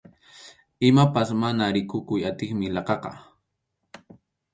Imapas mana rikukuy atiymi laqhaqa.